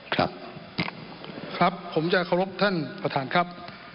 ครับครับผมจะเคารพท่านประธานครับ